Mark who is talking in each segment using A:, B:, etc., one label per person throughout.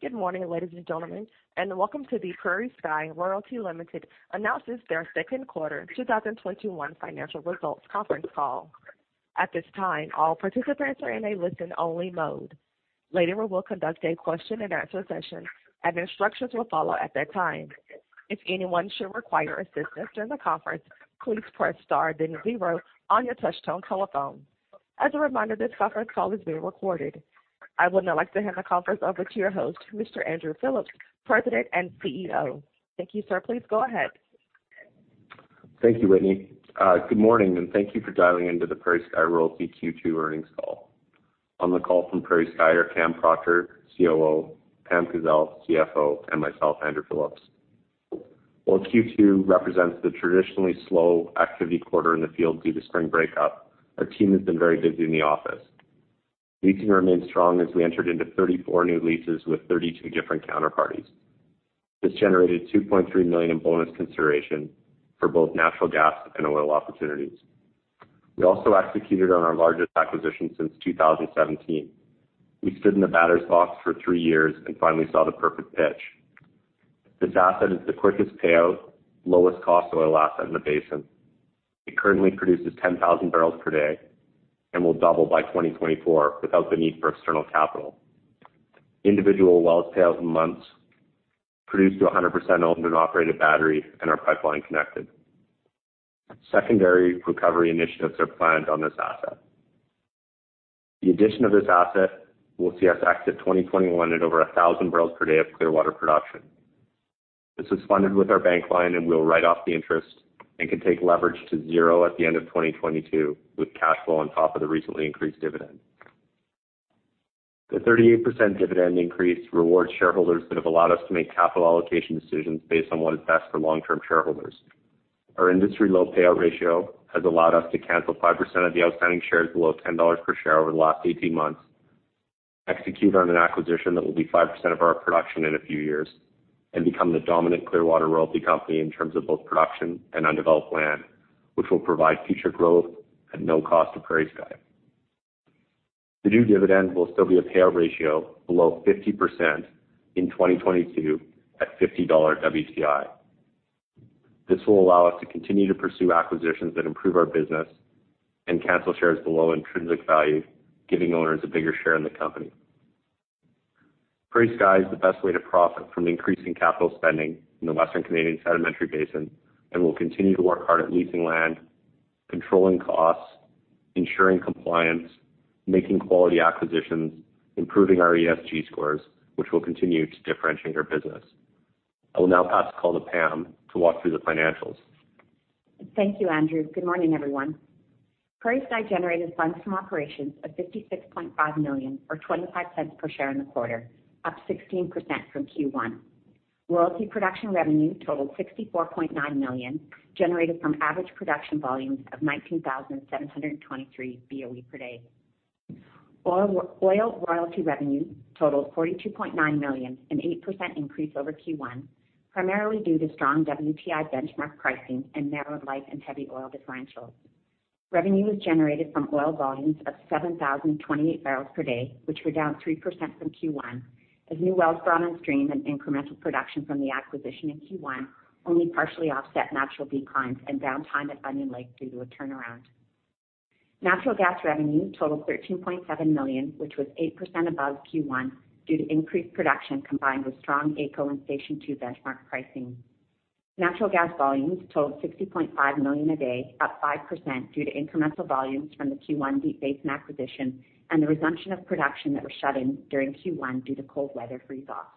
A: Good morning, ladies and gentlemen, and welcome to the PrairieSky Royalty Limited announces their second quarter 2021 financial results conference call. At this time, all participants are in a listen-only mode. Later we will conduct a question and answer session, and instructions will follow at that time. If anyone should require assistance during the conference, please press star then zero on your touchtone telephone. As a reminder, this conference call is being recorded. I would now like to hand the conference over to your host, Mr. Andrew Phillips, President and CEO. Thank you, sir. Please go ahead.
B: Thank you, Whitney. Good morning, and thank you for dialing into the PrairieSky Royalty Q2 earnings call. On the call from PrairieSky are Cam Proctor, COO, Pam Kazeil, CFO, and myself, Andrew Phillips. While Q2 represents the traditionally slow activity quarter in the field due to spring breakup, our team has been very busy in the office. Leasing remains strong as we entered into 34 new leases with 32 different counterparties. This generated 2.3 million in bonus consideration for both natural gas and oil opportunities. We also executed on our largest acquisition since 2017. We stood in the batter's box for three years and finally saw the perfect pitch. This asset is the quickest payout, lowest cost oil asset in the basin. It currently produces 10,000 barrels per day and will double by 2024 without the need for external capital. Individual well tails and months produce to 100% owned and operated battery and are pipeline connected. Secondary recovery initiatives are planned on this asset. The addition of this asset will see us exit 2021 at over 1,000 barrels per day of Clearwater production. This was funded with our bank line, and we will write off the interest and can take leverage to zero at the end of 2022 with cash flow on top of the recently increased dividend. The 38% dividend increase rewards shareholders that have allowed us to make capital allocation decisions based on what is best for long-term shareholders. Our industry-low payout ratio has allowed us to cancel 5% of the outstanding shares below 10 dollars per share over the last 18 months, execute on an acquisition that will be 5% of our production in a few years, and become the dominant Clearwater royalty company in terms of both production and undeveloped land, which will provide future growth at no cost to PrairieSky. The new dividend will still be a payout ratio below 50% in 2022 at 50 dollar WTI. This will allow us to continue to pursue acquisitions that improve our business and cancel shares below intrinsic value, giving owners a bigger share in the company. PrairieSky is the best way to profit from increasing capital spending in the Western Canadian Sedimentary Basin and will continue to work hard at leasing land, controlling costs, ensuring compliance, making quality acquisitions, improving our ESG scores, which will continue to differentiate our business. I will now pass the call to Pam to walk through the financials.
C: Thank you, Andrew. Good morning, everyone. PrairieSky generated funds from operations of 56.5 million or 0.25 per share in the quarter, up 16% from Q1. Royalty production revenue totaled 64.9 million, generated from average production volumes of 19,723 BOE per day. Oil royalty revenue totaled 42.9 million, an 8% increase over Q1, primarily due to strong WTI benchmark pricing and narrow light and heavy oil differentials. Revenue was generated from oil volumes of 7,028 barrels per day, which were down 3% from Q1 as new wells brought on stream and incremental production from the acquisition in Q1 only partially offset natural declines and downtime at Onion Lake due to a turnaround. Natural gas revenue totaled 13.7 million, which was 8% above Q1 due to increased production combined with strong AECO and Station 2 benchmark pricing. Natural gas volumes totaled 60.5 million a day, up 5% due to incremental volumes from the Q1 Deep Basin acquisition and the resumption of production that was shut in during Q1 due to cold weather freeze-offs.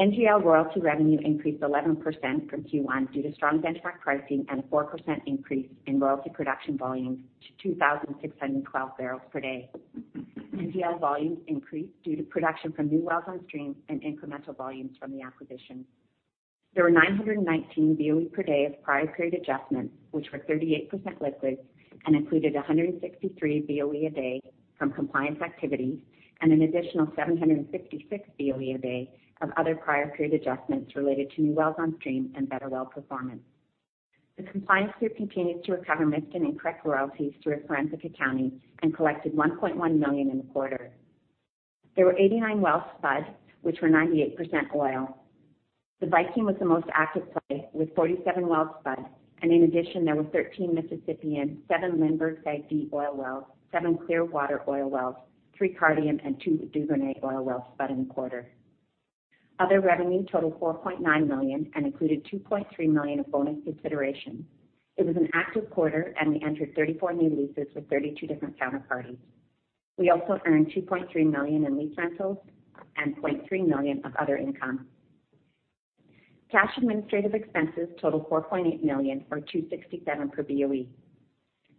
C: NGL royalty revenue increased 11% from Q1 due to strong benchmark pricing and a 4% increase in royalty production volumes to 2,612 barrels per day. NGL volumes increased due to production from new wells on stream and incremental volumes from the acquisition. There were 919 BOE per day of prior period adjustments, which were 38% liquids and included 163 BOE a day from compliance activities and an additional 756 BOE a day of other prior period adjustments related to new wells on stream and better well performance. The compliance group continues to recover missed and incorrect royalties through its forensic accounting and collected 1.1 million in the quarter. There were 89 wells spud, which were 98% oil. The Viking was the most active play with 47 wells spud. In addition, there were 13 Mississippian, seven Lindbergh five Deep oil wells, seven Clearwater oil wells, three Cardium, and two Duvernay oil wells spud in the quarter. Other revenue totaled 4.9 million and included 2.3 million of bonus consideration. It was an active quarter. We entered 34 new leases with 32 different counterparties. We also earned 2.3 million in lease rentals and 0.3 million of other income. Cash administrative expenses totaled 4.8 million, or 2.67 per BOE.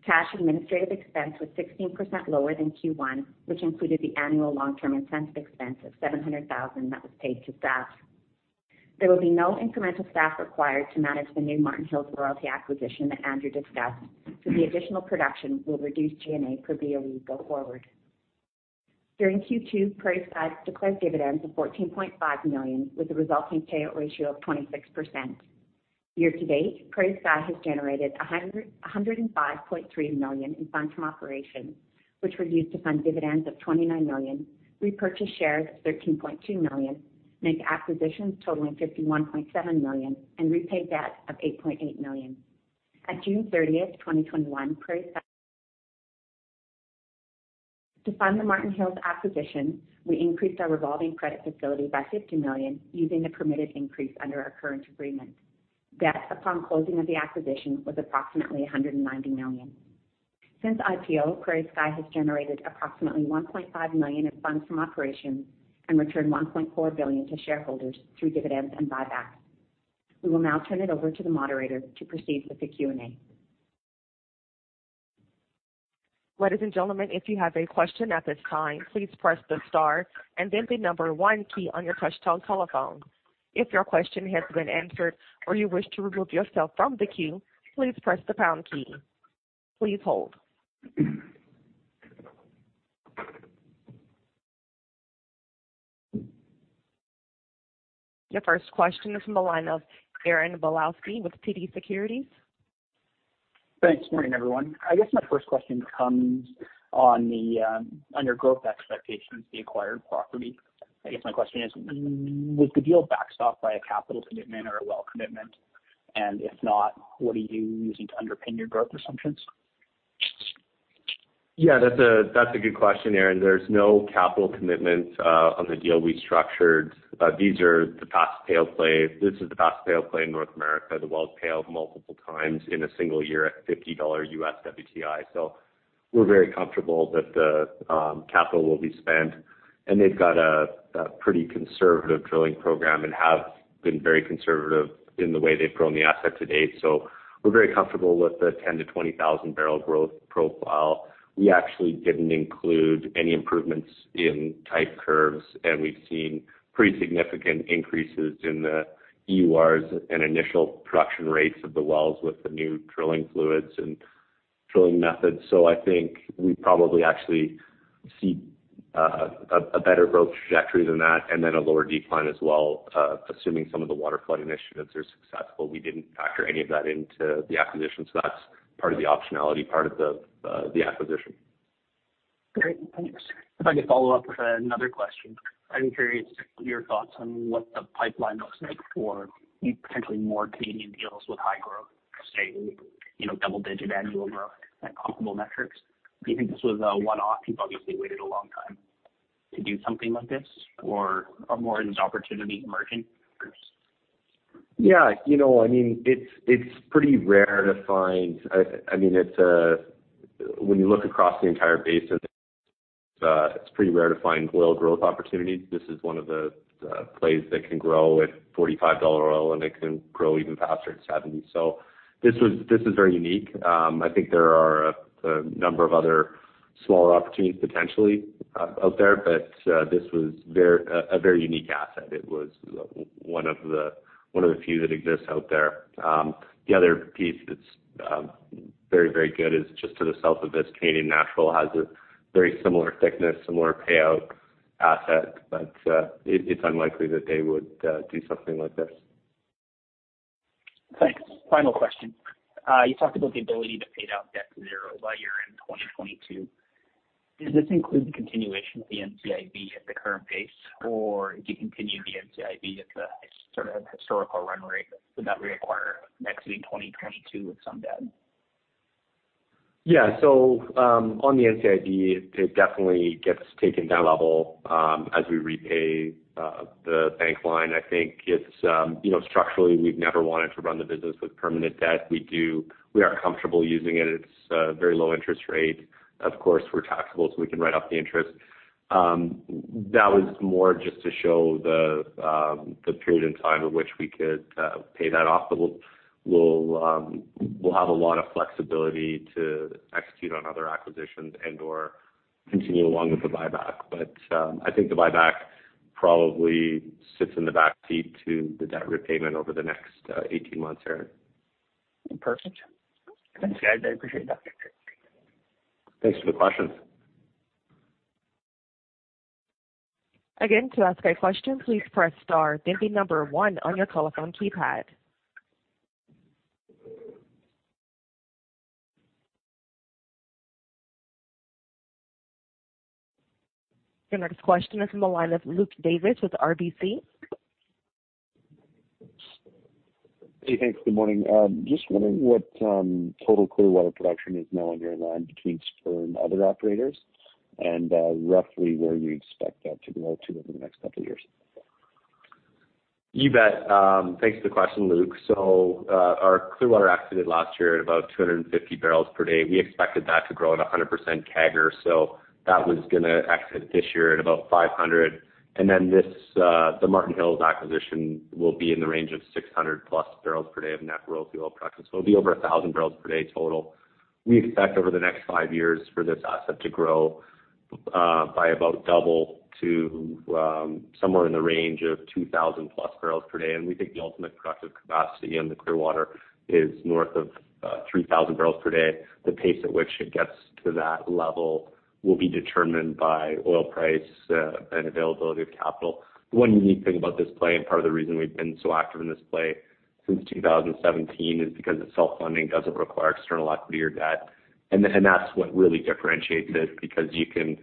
C: Cash administrative expense was 16% lower than Q1, which included the annual long-term incentive expense of 700,000 that was paid to staff. There will be no incremental staff required to manage the new Marten Hills royalty acquisition that Andrew discussed. The additional production will reduce G&A per BOE go forward. During Q2, PrairieSky declared dividends of 14.5 million, with a resulting payout ratio of 26%. Year-to-date, PrairieSky has generated 105.3 million in funds from operations, which were used to fund dividends of 29 million, repurchase shares of 13.2 million, make acquisitions totaling 51.7 million, and repay debt of 8.8 million. At June 30, 2021, to fund the Marten Hills acquisition, we increased our revolving credit facility by 50 million using the permitted increase under our current agreement. Debt upon closing of the acquisition was approximately 190 million. Since IPO, PrairieSky has generated approximately 1.5 million in funds from operations and returned 1.4 billion to shareholders through dividends and buybacks. We will now turn it over to the moderator to proceed with the Q&A.
A: Ladies and gentlemen, if you have a question at this time, please press the star and then the number one key on your touchtone telephone. If your question has been answered or you wish to remove yourself from the queue, please press the pound key. Please hold. Your first question is from the line of Aaron Bilkoski with TD Securities.
D: Thanks. Morning, everyone. I guess my first question comes on your growth expectations, the acquired property. I guess my question is: Was the deal backstopped by a capital commitment or a well commitment? If not, what are you using to underpin your growth assumptions?
B: Yeah, that's a good question, Aaron. There's no capital commitment on the deal we structured. These are the fastest pay plays. This is the fastest pay play in North America. The wells paid multiple times in a single year at $50 U.S. WTI. We're very comfortable that the capital will be spent, and they've got a pretty conservative drilling program and have been very conservative in the way they've grown the asset to date. We're very comfortable with the 10,000-20,000 barrel growth profile. We actually didn't include any improvements in type curves, and we've seen pretty significant increases in the EURs and initial production rates of the wells with the new drilling fluids and drilling methods. I think we probably actually see a better growth trajectory than that, and then a lower decline as well, assuming some of the water flooding initiatives are successful. We didn't factor any of that into the acquisition, so that's part of the optionality, part of the acquisition.
D: Great. Thanks. If I could follow up with another question. I'm curious to hear your thoughts on what the pipeline looks like for potentially more Canadian deals with high growth, say, double-digit annual growth and comparable metrics. Do you think this was a one-off? You've obviously waited a long time to do something like this, or are more of these opportunities emerging?
B: Yeah. When you look across the entire basin, it's pretty rare to find oil growth opportunities. This is one of the plays that can grow at 45 dollar oil, and it can grow even faster at 70. This is very unique. I think there are a number of other smaller opportunities potentially out there, but this was a very unique asset. It was one of the few that exists out there. The other piece that's very good is just to the south of this, Canadian Natural has a very similar thickness, similar payout asset. It's unlikely that they would do something like this.
D: Thanks. Final question. You talked about the ability to pay down debt to zero by year-end 2022. Does this include the continuation of the NCIB at the current pace, or if you continue the NCIB at the historical run rate, would that require exiting 2022 with some debt?
B: On the NCIB, it definitely gets taken down a level as we repay the bank line. I think structurally, we've never wanted to run the business with permanent debt. We are comfortable using it. It's a very low interest rate. Of course, we're taxable, so we can write off the interest. That was more just to show the period in time in which we could pay that off. We'll have a lot of flexibility to execute on other acquisitions and/or continue along with the buyback. I think the buyback probably sits in the back seat to the debt repayment over the next 18 months, Aaron.
D: Perfect. Thanks, guys. I appreciate that.
B: Thanks for the questions.
A: Again, to ask a question, please press star then the number one on your telephone keypad. Your next question is from the line of Luke Davis with RBC.
E: Hey, thanks. Good morning. Just wondering what total Clearwater production is now on your line between Spur and other operators, and roughly where you expect that to grow to over the next two years.
B: You bet. Thanks for the question, Luke. Our Clearwater exited last year at about 250 barrels per day. We expected that to grow at 100% CAGR, so that was going to exit this year at about 500. The Martin Hills acquisition will be in the range of 600-plus barrels per day of net royalty oil production. It'll be over 1,000 barrels per day total. We expect over the next five years for this asset to grow by about double to somewhere in the range of 2,000-plus barrels per day. We think the ultimate productive capacity in the Clearwater is north of 3,000 barrels per day. The pace at which it gets to that level will be determined by oil price and availability of capital. One unique thing about this play, and part of the reason we've been so active in this play since 2017, is because it's self-funding, doesn't require external equity or debt. That's what really differentiates it, because you can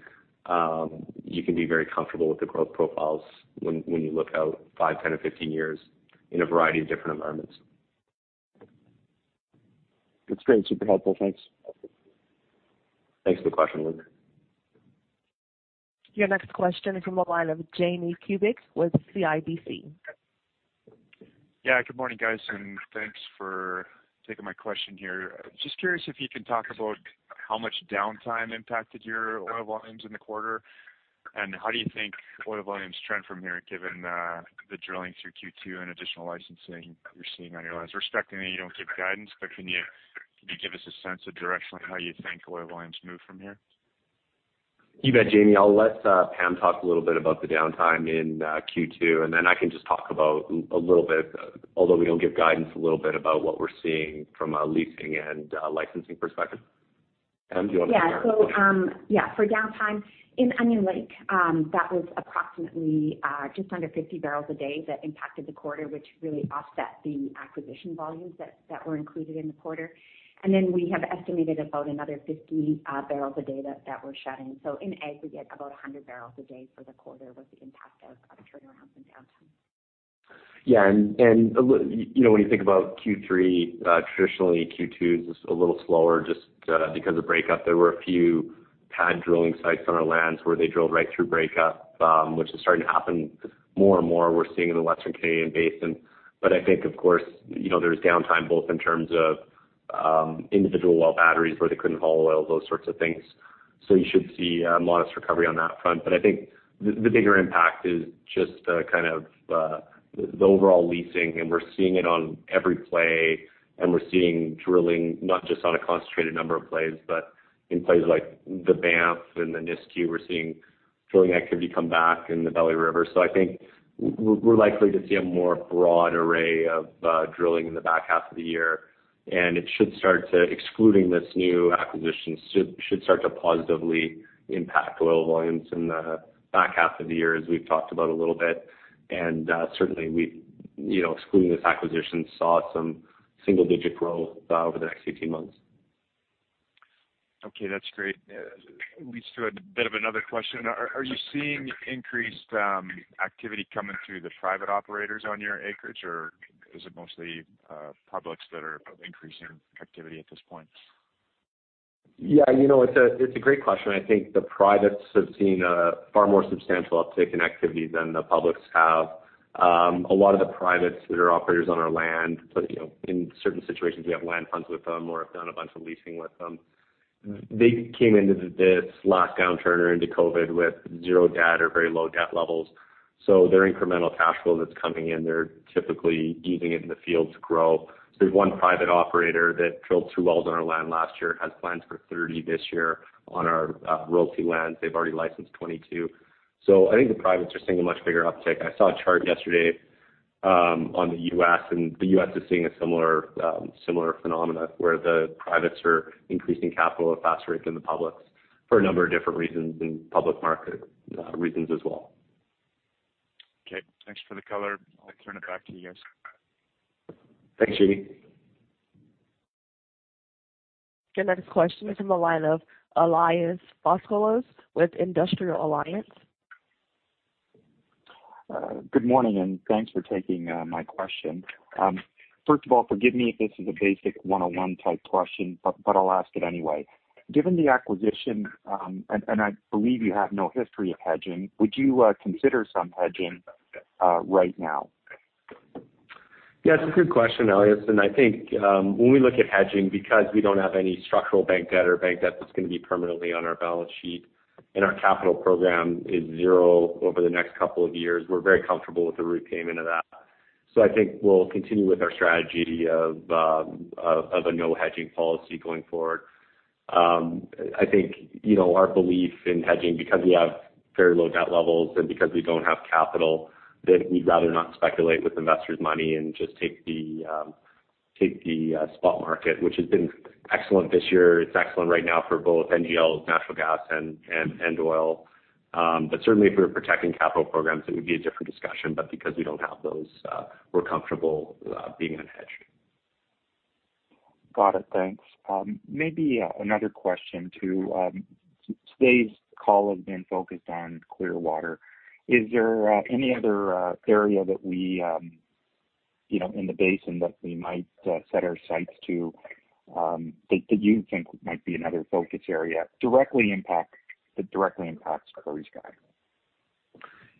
B: be very comfortable with the growth profiles when you look out five, 10, or 15 years in a variety of different environments.
E: That's great. Super helpful. Thanks.
B: Thanks for the question, Luke.
A: Your next question is from the line of Jamie Kubik with CIBC.
F: Good morning, guys, thanks for taking my question here. Just curious if you can talk about how much downtime impacted your oil volumes in the quarter, how do you think oil volumes trend from here, given the drilling through Q2 and additional licensing you're seeing on your lands? Respecting that you don't give guidance, can you give us a sense of direction on how you think oil volumes move from here?
B: You bet, Jamie. I'll let Pam talk a little bit about the downtime in Q2, and then I can just talk about a little bit, although we don't give guidance, a little bit about what we're seeing from a leasing and licensing perspective. Pam, do you want to start?
C: Yeah. For downtime, in Onion Lake, that was approximately just under 50 barrels a day that impacted the quarter, which really offset the acquisition volumes that were included in the quarter. We have estimated about another 50 barrels a day that were shut-in. In aggregate, about 100 barrels a day for the quarter was the impact of turnarounds and downtime.
B: Yeah. When you think about Q3, traditionally, Q2 is just a little slower just because of breakup. There were a few pad drilling sites on our lands where they drilled right through breakup, which is starting to happen more and more, we're seeing in the Western Canadian Basin. I think, of course, there's downtime both in terms of individual well batteries where they couldn't haul oil, those sorts of things. You should see a modest recovery on that front. I think the bigger impact is just kind of the overall leasing, and we're seeing it on every play, and we're seeing drilling, not just on a concentrated number of plays, but in plays like the Banff and the Nisku. We're seeing drilling activity come back in the Belly River. I think we're likely to see a more broad array of drilling in the back half of the year, and it should start to-- Excluding this new acquisition, should start to positively impact oil volumes in the back half of the year, as we've talked about a little bit. And certainly we've, excluding this acquisition, saw some single-digit growth over the next 18 months.
F: That's great. It leads to a bit of another question. Are you seeing increased activity coming through the private operators on your acreage, or is it mostly publics that are increasing activity at this point?
B: Yeah. It's a great question. I think the privates have seen a far more substantial uptick in activity than the publics have. A lot of the privates that are operators on our land, in certain situations, we have land funds with them or have done a bunch of leasing with them. They came into this last downturn or into COVID with zero debt or very low debt levels. Their incremental cash flow that's coming in, they're typically using it in the field to grow. There's one private operator that drilled two wells on our land last year, has plans for 30 this year on our royalty lands. They've already licensed 22. I think the privates are seeing a much bigger uptick. I saw a chart yesterday on the U.S., and the U.S. is seeing a similar phenomena where the privates are increasing capital at a faster rate than the publics for a number of different reasons, and public market reasons as well.
F: Okay. Thanks for the color. I'll turn it back to you guys.
B: Thanks, Jamie.
A: Your next question is from the line of Elias Foscolos with Industrial Alliance.
G: Good morning, and thanks for taking my question. First of all, forgive me if this is a basic 101-type question, but I'll ask it anyway. Given the acquisition, and I believe you have no history of hedging, would you consider some hedging right now?
B: Yeah, it's a good question, Elias. I think when we look at hedging, because we don't have any structural bank debt or bank debt that's going to be permanently on our balance sheet, and our capital program is zero over the next couple of years, we're very comfortable with the repayment of that. I think we'll continue with our strategy of a no-hedging policy going forward. I think our belief in hedging, because we have very low debt levels and because we don't have capital, that we'd rather not speculate with investors' money and just take the spot market, which has been excellent this year. It's excellent right now for both NGLs, natural gas, and oil. Certainly, if we were protecting capital programs, it would be a different discussion. Because we don't have those, we're comfortable being unhedged.
G: Got it. Thanks. Maybe another question, too. Today's call has been focused on Clearwater. Is there any other area that we, in the basin, that we might set our sights to, that you think might be another focus area that directly impacts PrairieSky?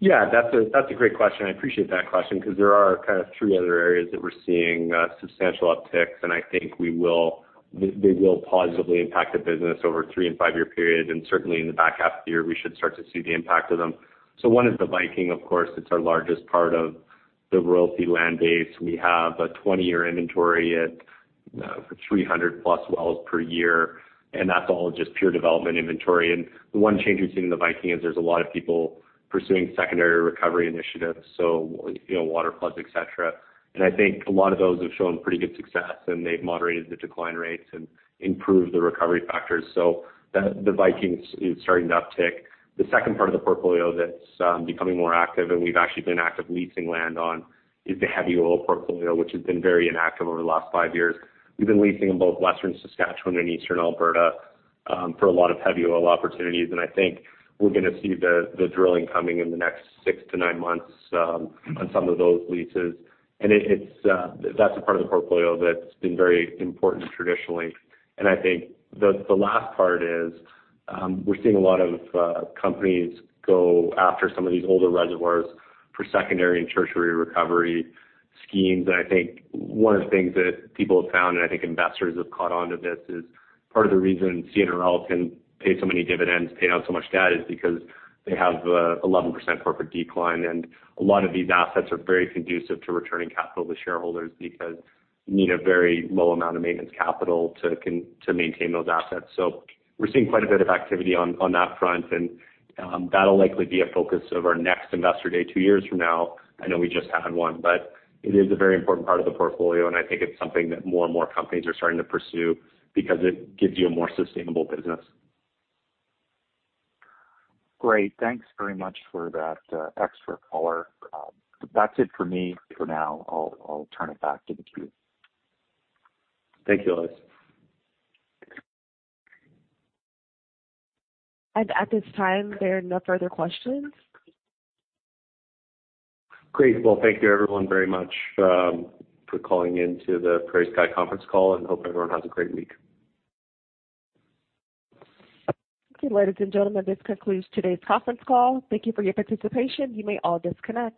B: Yeah. That's a great question. I appreciate that question because there are kind of three other areas that we're seeing substantial upticks, and I think they will positively impact the business over a three and five year period, and certainly in the back half of the year, we should start to see the impact of them. One is the Viking, of course. It's our largest part of the royalty land base. We have a 20 year inventory at for 300-plus wells per year, and that's all just pure development inventory. The one change we've seen in the Viking is there's a lot of people pursuing secondary recovery initiatives, so water floods, et cetera. I think a lot of those have shown pretty good success, and they've moderated the decline rates and improved the recovery factors. The Viking is starting to uptick. The second part of the portfolio that's becoming more active, and we've actually been active leasing land on, is the heavy oil portfolio, which has been very inactive over the last five years. We've been leasing in both Western Saskatchewan and Eastern Alberta for a lot of heavy oil opportunities, and I think we're going to see the drilling coming in the next six to nine months on some of those leases. That's a part of the portfolio that's been very important traditionally. I think the last part is we're seeing a lot of companies go after some of these older reservoirs for secondary and tertiary recovery schemes. I think one of the things that people have found, and I think investors have caught on to this, is part of the reason CNRL can pay so many dividends, pay down so much debt, is because they have an 11% corporate decline. A lot of these assets are very conducive to returning capital to shareholders because you need a very low amount of maintenance capital to maintain those assets. We're seeing quite a bit of activity on that front, and that'll likely be a focus of our next investor day two years from now. I know we just had one, but it is a very important part of the portfolio, and I think it's something that more and more companies are starting to pursue because it gives you a more sustainable business.
G: Great. Thanks very much for that extra color. That's it for me for now. I'll turn it back to the queue.
B: Thank you, Elias.
A: At this time, there are no further questions.
B: Great. Well, thank you everyone very much for calling in to the PrairieSky conference call, and hope everyone has a great week.
A: Okay, ladies and gentlemen, this concludes today's conference call. Thank you for your participation. You may all disconnect.